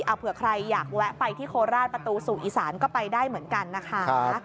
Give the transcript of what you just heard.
เอาเผื่อใครอยากแวะไปที่โคราชประตูสู่อีสานก็ไปได้เหมือนกันนะคะ